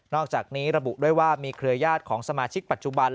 อกจากนี้ระบุด้วยว่ามีเครือญาติของสมาชิกปัจจุบัน